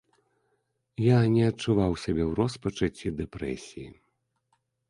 Я не адчуваў сябе ў роспачы ці дэпрэсіі.